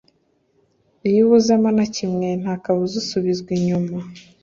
iyo ubuzemo na kimwe nta kabuza usubizwa inyuma